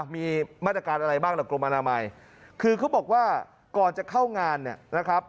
มีมาตรการอะไรบ้างล่ะกรมอนามัยคือเขาบอกว่าก่อนจะเข้างานเนี่ยนะครับ